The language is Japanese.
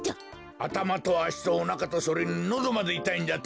あたまとあしとおなかとそれにのどまでいたいんじゃと！？